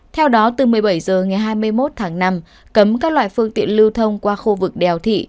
theo đó từ một mươi bảy h ngày hai mươi một tháng năm cấm các loại phương tiện lưu thông qua khu vực đèo thị